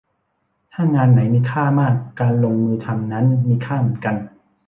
ถ้างานไหนมีค่ามาก การลงมือทำนั้นมีค่าเหมือนกัน